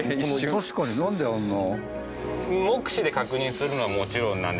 確かになんであんな。